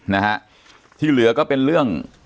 นะฮะที่เหลือก็เป็นเรื่อง